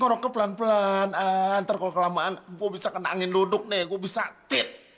ngoroknya pelan pelan ntar kalau kelamaan gua bisa kena angin duduk nih gua bisa tit